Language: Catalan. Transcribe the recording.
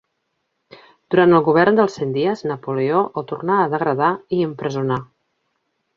Durant el govern dels cent dies, Napoleó el tornà a degradar i empresonar.